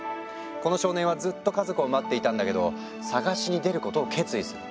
この少年はずっと家族を待っていたんだけど捜しに出ることを決意する。